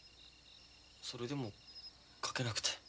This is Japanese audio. それでも描けなくて。